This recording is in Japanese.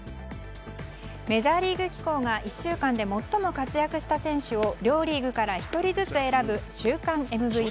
メジャーリーグ機構が１週間で最も活躍した選手を両リーグから１人ずつ選ぶ週間ＭＶＰ。